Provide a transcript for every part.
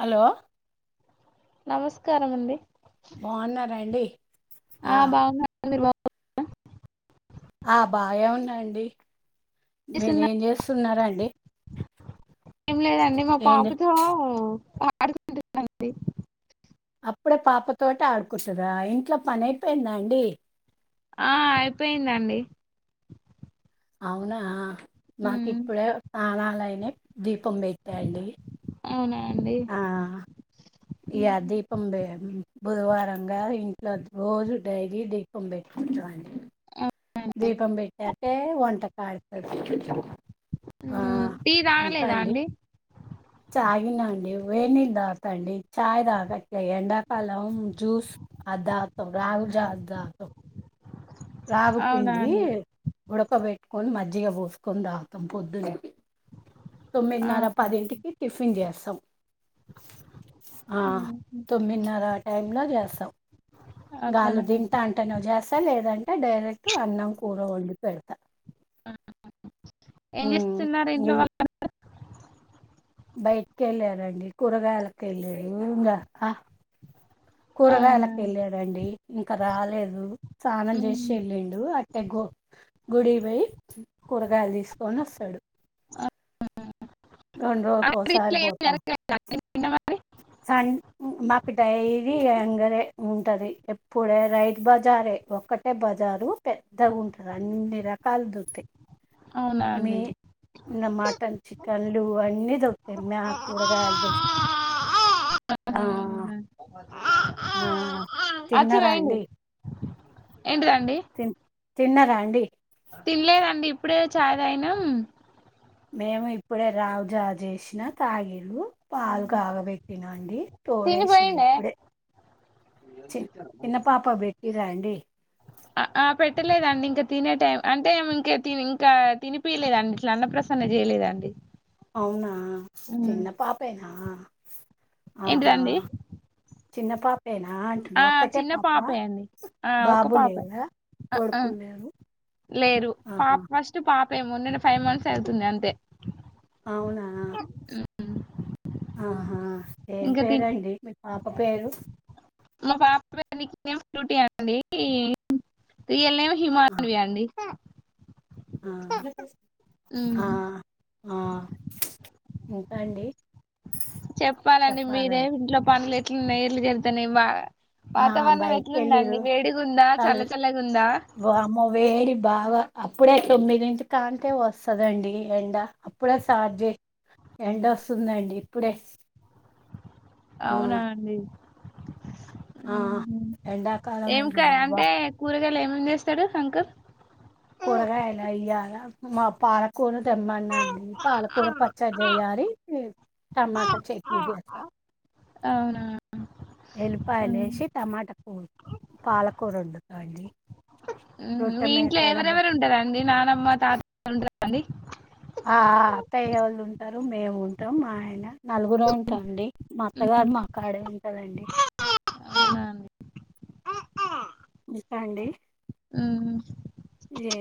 Hello నమస్కారం అండి బాన్నారండీ ఆ బాఉన్న ఏందిర్ వావ్ పో [unintelligible] ఆ బాయే ఉన్నా అండి చేస్తునర్ ఏం లేదండి మా ఏం చే- పాపతో ప ఆడుకుంటున్నండి అప్పుడే పాపతోటి ఆడుకుంటురా ఇంట్లో పని అయిపోయిందా అండి ఆ అయిపోన్ దండి అవునా మాక్ ఉమ్ ఇప్పుడే సానాలైనయ్ దీపం పెట్టా అండి అవునా అండి ఉమ్ ఇయల్ దీపం బే బుధవార్ రంగా ఇంట్లో రోజు డైలీ దీపం పెట్టుకుంటామండీ అవునండి దీపం పెట్టాకే వంట తడితారు [unintelligible] హ్మ్ టీ తాగలేదా అండి తాగిన అండి వేడినీళ్లు తాగ్ తాండి చాయ్ తాగట్లే ఎండాకాలం జ్యూస్ అది దాగ్ తాం రాగి జావ దాతాం అవునా రాగుపిండి అండి ఉడకబెట్టి కొని మజ్జిగా పోసుకొని తాగుతం పొద్దునే తొమ్మిది ఆ నర పదెంటికి టిఫిన్ చే తం ఆ ఉమ్ తొమ్మిన్నర టైంలో చేస్తాం గాలు అట్లనా అండి తింటా అంటేనే చేస్తా లేదంటే ట డైరెక్ట్ అన్నం కూర వండిపెడ్తా ఆ ఏం చేస్తున్నారు ఇంట్లో వాళ్ళందరూ బయటకి వెళ్ళారండి కూరగాయలకు వెళ్ళారు ఇంగా హా అవునా కూరగాయలకు వెళ్ళాడండి ఇంకా రాలేదు స్నానం ఉమ్ చేసి వెళ్ళిండు అ ఎ్వ గుడికి పోయి కూరగాయలు తీసుకొని వస్తాడు అవునా రెండు రోజుకోసారి పోతాం జరగలేదా అండి నిన్న మరి సం మాకు డైలీ అంగడే ఉంటది ఎప్పుడే రైతు బజారే ఒక్కటే బజారు పెద్దగా ఉంటంది అన్ని రక్ కల్ దుతే అవునా మీ అండి నమాటన్ చి పంలు అన్నీ తొస్తాయి [unintelligible] మాకు ఆహా కూరగాయలు దా ఆ అవునా ఆ అచ్చి పోయిండు తిన్నారండి ఏంటిదండి తిన్నరాండి తినలేదండి ఇప్పుడే చాయ్ తాగినం మేము ఇప్పుడే రావుజావ చేసినా తాగినం పాలు కాగబెట్టినా అండి తిని తోడేసినా పోయిండే ఇప్పుడే చి చిన్న పాపకి పెట్టిరా అండి ఆ ఆ పెట్టలేదండి ఇంకా తినే టైం అంటే ఇంకా ఇంకా తినిపియలేదండి ఇట్లా అన్న ప్రసన్న చేయలేదండి అవునా చిన్న పాపేనా ఆ ఆహా ఏంటిదండి చిన్న పా ఆ చిన్న పాపే అండి ఆ ఒక బాబు పాపే లేడా కొడుకులు లేరు లేరు పాప ఆహా ఫస్ట్ పాప మ [unintelligible] నుండి ఫైవ్ మంత్స్ అవుతుంది అంతే అవునా ఆహా ఏం ఇంకా తిన్ పేరుండి మీ పాప పేరు డ్యూటీ అ అండి రీయల్మి [unintelligible] ఆ హిమానవి అండి ఆ హమ్ ఆ ఆ. ఇంకా అండి చెప్పాలండి మీరే ఇంట్లో పనులు కి న ఎల్గెళ్తా ఇ బ [unintelligible] ఆ వాతావరణం బయటికి ఎట్లుందండి వెళ్ళిర్రు వేడిగుందా చల్ చల్ల చల్లగుందా వామ్మో వేడి బాగా అప్పుడే తొమ్మిది కనికే వస్తదండి ఎండ అప్పుడే స్టార్ట్ ఎండ వస్తుందండి ఇప్పుడే ఆ అవునా అండి ఆ ఎండాకాలమే ఎం అండి కార్ వా అంటే కు ఏమేం చేస్తాడు శంకర్ కూరగాయలా ఇయ్యాల మా పాలకూర తెమ్మనండి పాలకూర పచ్చడి చేయాలి టమాటా చట్నీ చేస్త అవునా ఊహు. ఊహు. ఎల్లిపాయలేసి టమాటా కూ పాలకూర వండుతాండి మీ ఇట్లే ఎవరెవరు ఉంటారండి నానమ్మ తాత [inaudible] [inaudible] డి ఆ అత్తయ్య ఒళ్ళు ఉంటారు మేము ఉంటాం మా ఆయన నలుగుర ఉంటాంండి మా అత్తగారు మాక్కడే ఉంటారండి అవునా అండి ఇంకా అండి ఏ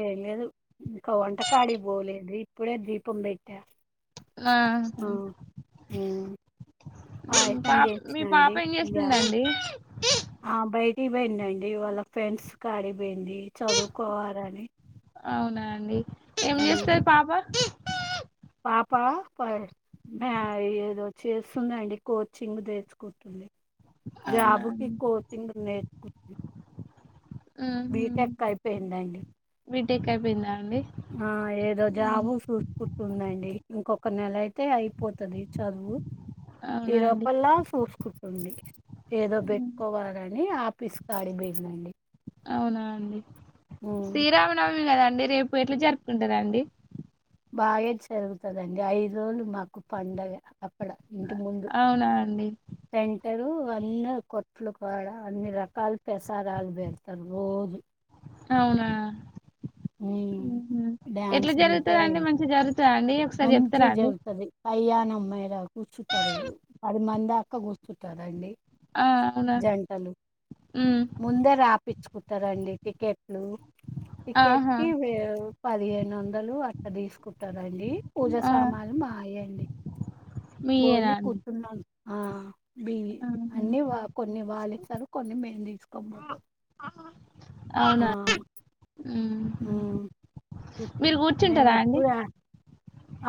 ఏం లేదు ఇంకా వంటకాడి పోలేదు ఇప్పుడే దీపం పెట్టా ఆహా ఆ, ఉమ్, పాయసం పాప మీ చేసినండి పాప ఏం ఇయ్యాల చేస్తుందండి ఆ బయటికి పోయిందిండి వాళ్ళ ఫ్రెండ్స్ డి పోయింది చదువుకోవాలని అవునా అండి ఏం ఉమ్, చేస్తాది పాప పాప ఏదో చేస్తుందండి కోచింగ్ తెసుుకుతుంది అవునా జాబ్ కీ అండి కోచింగ్ నే [inaudible] కు బీటెక్ అయిపోయిందండి టెక్ అయిపోయిందా అండి ఆ ఏదో హ్మ్. జాబు చూసుకుంటుందండి ఇంకొ ఒక నెల అయితే అయిపోతాది చదువు ఈ అవునా అండి లోూపలా చూసుకుంటుంది ఏదో హ్మ్. బట్కోవాలి అని ఆ పిస్కాడి బేకనండి అవునా అండి శ్రీరామనవమి ఉంది కదండి రేపు ఎట్లా జరుపుకుంటరండి బాగా జరుగుతుదండి ఐదు రోజులు మాకు పండగ అప్పడ ఇంటి ముందు అవునా అండి సెంటరు అన్న కొట్లు కూడాడ అన్ని రకాల పెసారాలు పెడతారు రోజు అవునా ఉమ్ ఎట్లా జరుగుతుంది అండి మంచిగా జరుగు మంచి జరుగుతుది పైయాణం మరా కూర్చుంటారు పది మందా పక్క కూర్స్తుంటారంండి ఆ అవునా జంటలు ఉమ్ ముంద రాపి తెుకుంటారండి టికెట్ ఆహా టికెట్టి పదిహేను వందలు అది తీసుకుంటారాండి పూజ ఆ సామాలు మాయయండి మీయేనా పోలి అండి కుతున్నా ఆ బియ్య ఆహా అన్ని వా కొన్ని వాలిస్తారు కొన్ని మేయని తీసుకో పోతాం ఆ అవునా ఉహు ఉమ్, కూర్చు- మీరు కూర్చుంటారా మేము అండి ఎప్పుడు ఆ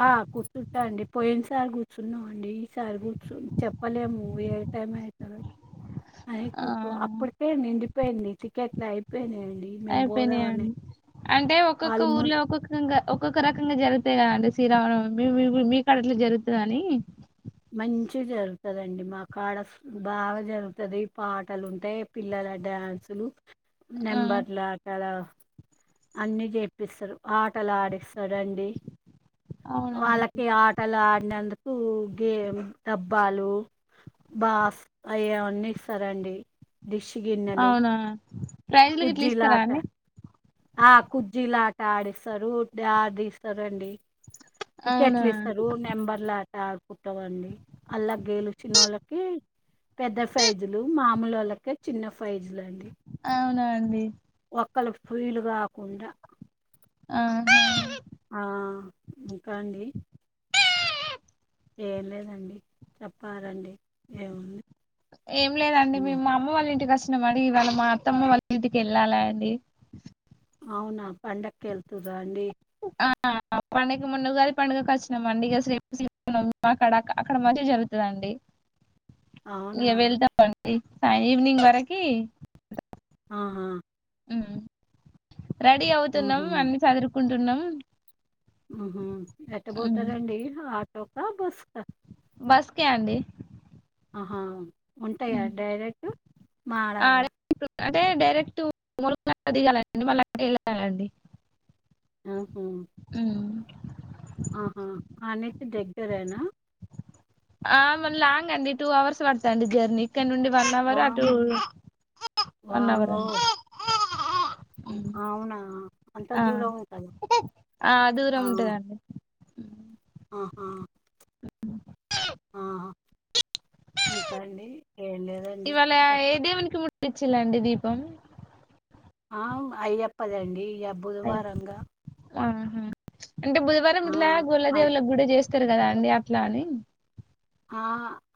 ఆ కూర్చుంటా అండి పోయిన సారి కూర్చున్నాం అండి ఈసారి కూర్చు చెప్పలేము ఏ టైం అవుతురు అ ఆ అప్పుడు పే నిం అయిపోయిడి చికెట్లా అయిపోయినాది అయిపోయినాయండి అంటే ఒక్కొక్క వాళ్ళు ఊర్లో ఒక్కొక్క ఒక్కొక్క రకంగా జరిగుతా కదండి శ్రీరామణం మీ మీకుడట్లా జరుగుతుందని మంచి జరుగుతదండి మా కాడ బాగా జరుగుతుది పాటలు ఉంటే పిల్లల డ్యాన్సులు ఆ! నెంబర్లా అక్కడ అన్ని చెప్పిస్తారు ఆటలు ఆడిస్తాడండి అవునా అండి. వాళ్ళకి ఆటలు ఆ అందుకు గేమ్ డబ్బాలు బాస్ అవివన్నీ ఇస్తారండి దిక్ష గిన్నెలు ప్రైజులకి ఎట్లా ఇస్తారా కుజ్జీలాట అండి ఆ కుజ్జీలాట ఆడిస్తారు ఆడిస్తారుండి అవునా! టికెట్లు ఇస్తారు నెంబర్ లాట కుట్టవండి అల్లా గేలుచిన వాళ్ళకి పెద్ద ఫైజులు మామూలు వాళ్ళక చిన్న ఫైజులు అండి అవునా అండి ఒక్కలు ఫెయిల్ కాకుండా ఆ ఆ ఇంకా అండి ఏం లేదండి చెప్పాలండి ఏముంది ఏం లేదండి మీ ఉమ్. మా అమ్మ వాళ్ళ ఇంటికిష్టం మరి ఇవాళ మా అత్తమ్మ వాళ్ళ ఇంటికి వెళ్ళాలా అండి అవునా పండకెళ్తుందా అండి ఆ పండుగ ముందుగాది పండడుగకు వచ్చినం అండి ఇక అక్కడ అక్కడ మా జరుగుతుందండి అవునా ఇ వెళ్ద ప సా ఈవినింగ్ వరకి ఆహా హ్మ్. రెడీ అవుతున్నాం ఉహు అన్ని చదురుకుంటున్నాం అ ఉహూ ఎట్ట పోతదండి ఆటో స బస్కా బస్కే అండి ఆహా ఉంటాయి హ్మ్. డైరెక్ట్ మారాల ఆడే అంటే డైరెక్ట్ల [inaudible] దిగాలండి మళ్ల అట్లే వెళ్ళాలండి ఆ మ్ అహా ఆనుంచి దగ్గరేనా ఆ మల్ల లాంగ్ అండి టూ అవర్స్ వాడుతది అండి జర్నీ ఇక్కడి నుండి వన్ అవర్ అటు వామ్ వన్ అవర్ వామ్మో అండి హ్మ్. అవునా అంత ఆ! దూరం ఉంటంద ఆ! దూరం ఆ ఉంటదండి. హ్మ్. ఆహా ఆ ఇంకా అండి ఏం లేదండి చెప్పా ట్టిచులు అండి దీపం ఆ అయ్యప్ప దండి ఇయా అయ్యప్ప. బుధవారం గా ఆహా అంటే బుధవారం ఇట్లా గుళ్ళో అన్ దేవులకు కూడా చే స్తారు కదా అండి అట్లా అని ఆ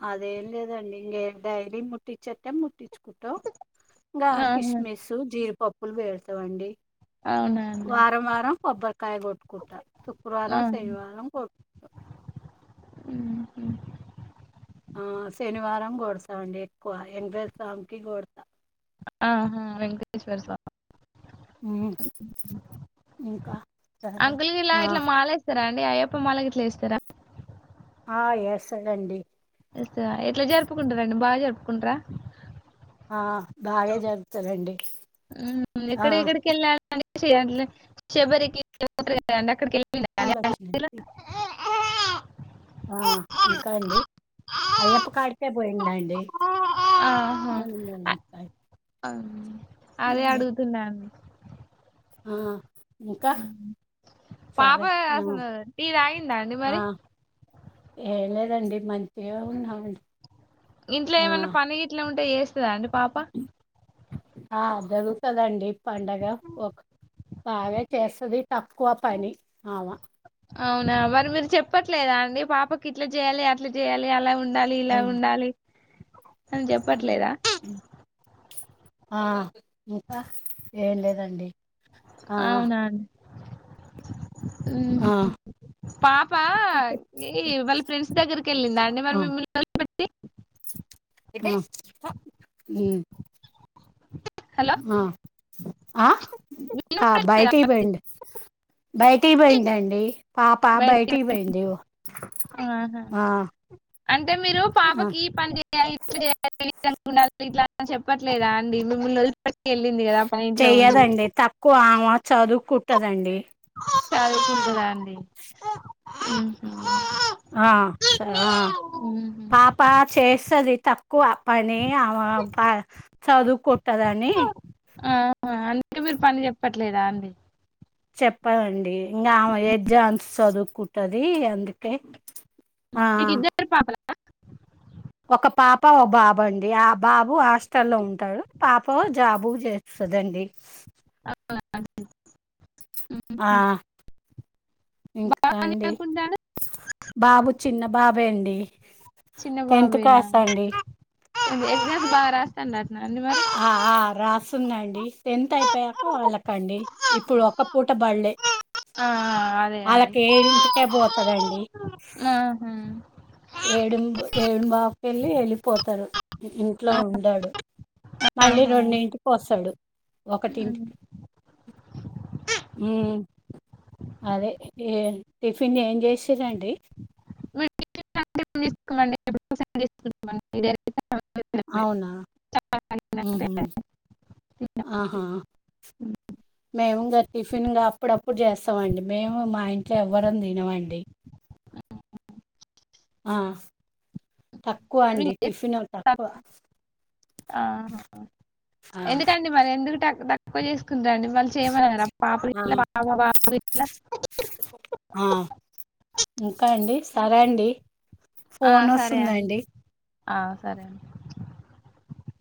అదేం లేదండి ఇంక డైలీ ముట్టిచ్చెట్ట ముటిచ్చు కుంటం ఆహా! కిస్మిస్ జీడిప ప్పులు వెడతాం అండి అవునా అండి. వారం వారం కొబ్బరికాయ కొట్టుకుంటా ఆ! శుక్రవారం శనివారం కొట్టుకుంటా మ్ ఆ శనివారం గొడతా అండి ఎక్కువ వెంకటేశ్వర స్వామి కి గొడతా అహా వెంకటేశ్వర్ స్వామి ఉమ్ ఇంకా సరే అంకుల్ గిట్లా ఆ ఇట్లా మాలేస్తారా అండి అయ్యప్ప మాల గిట్లా ఏస్తారా ఆ ఏస్తడు అండి ఏస్తడ ఎట్లా జరుపుకుంటారండి బాగా జరుపుకుంటార ఆ బాగే జరుపుతారండి ఉమ్ ఎక్కడి ఎక్కడికి ఎళ్లారు అండి [inaudible] శబరికి [inaudible] అక్కడికి ఎళ్ళారా ఫూలు ఒచ్చినాయి ఇంకా అండి అయ్యప్ప కాడికే పోయిండా అండి దాని ఔనా అదే అడుగుతున్నా అండి ఆ ఇంకా ఉమ్ పాప సరే ఆ కాసింద టీ తాగిందా అండి మరి రండి మం ఇంట్లో ఆ ఏమన్నా పని ఇట్లా ఉం టే ఎస్ దా అండి పాప ఆ జరుగుతుదండి పండగ ఒక బాగా చేస్తది తక్కువ పని ఆమ అవునా మరి మీరు చెప్పట్ల లేదా అండి పాపకి ఇట్లా చేయాలి అట్లా చేయాలి అలా ఉం ఉండాలి ఆ ఇలా ఉండాలి పని చెప్పట్లేదా ఆ ఇంకా ఏం లేదండి ఆ అవునా అండీ [inaudible] ఆ ఊమ్ పాపా ఇ వాళ్ళ ఫ్రెండ్స్ దగ్గరికి ఎళ్ళిందా అండి ఆ ఆ మరి మిమ్మల్ని ఒదిలి పెట్టి టి ఉమ్ ఊమ్ హలో ఆ ఆ కా వినపడట్లేదా బయటి బోయిండు డి బయటి బోయిండండి అండి బయడి ఆహా ఆ అంటే మీరు ఆ పాపకి పని జెయాలి ఇట్లా జెయాలి [inaudible] ఇట్లా గుణాలు ఇట్లాంటి చెప్పట్లేదా అండి మిమ్మల్ని వది చెయ్యదండి తక్కువ ఆమ చదువుకు కదండీ చదువుకుంటదా అండి హ్మ్ హ్మ్ ఆ సద్ ఆ మ్మ్ పాప చేస్తది తక్కువ పని ఆమ ప చదువుకుంటదని అంటే మీరు పని చెప్పట్లేదా అండి చెప్పదండి ఇంగ ఆమె ఎగ్జామ్స్ సదు కుట్టది అందుకే ఆ మీకు [inaudible] ఒక పాప ఒక బాబు అండి ఆ బాబు ఆ ష్టలో ఉంటడు పాప్ పో జాబు చేస్తదండి [inaudible] ఆ మ్మ్ ఇంకా బాగా అండి చదువుకుంటా బాబు చిన్న బాబ్ భండి చిన్న టెన్త్ బాబేనా క్లాస్ అండి ఎగ్జామ్స్ బారస్తాన్నారు ఆ ఆ రా వస్తుందండి టెన్త్ అయిపోయాక వాళ్ళకండి ఇప్పుడు ఒక పూట బళ్లేె ఆ అదే అండి ఏడింటికే పోతడండి. ఆహ ఏమి బాకిెళ్ళి వెళ్ళిపోతారు ఇంట్లో ఉండడు మళ్ళీ ఆహా రెండింటికి వస్తాడు హ్మ్. ఒకటింటికి హ్మ్ అదే టిఫిన్ ఏం చేసి [unintelligible] మీరు ట్యూషన్ అంటే ఏం [unintelligible] అవునా ఉహూ ఆహా మెమ్ టిఫిన్ గా అప్పుడప్పుడు చేస్తామండి మేము మా ఇంట్లో ఎవ్వరం తినవండి ఆ తక్కువ అండి టిఫిన్ తక్కువ ఆహా ఆ కొసు ందండి వాళ్ళు చేయమ పాపు ఆ! అట్ల బాబు అట్లా ఆ! డి ఫోన్ వస్తుందండి ఆ సరే అండి